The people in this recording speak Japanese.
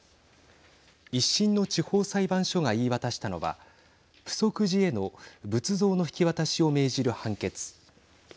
１審の地方裁判所が言い渡したのはプソク寺への仏像の引き渡しを命じる判決。